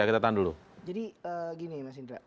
jadi gini mas indra